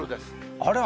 あら。